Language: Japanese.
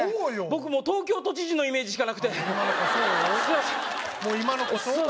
僕もう東京都知事のイメージしかなくて世の中そう？